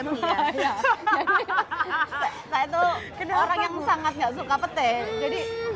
saya tuh orang yang sangat gak suka petai